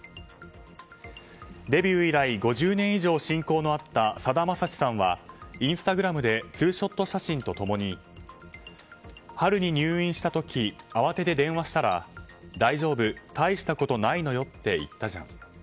デビュー以来５０年以上親交のあったさだまさしさんはインスタグラムでツーショット写真と共に春に入院した時慌てて電話したら大丈夫、大したことないのよって言ったじゃん。